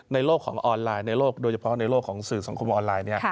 ในโลกของออนไลน์ในโลกโดยเฉพาะในโลกของสื่อสังคมออนไลน์